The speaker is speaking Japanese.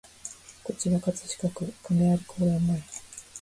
こちら葛飾区亀有公園前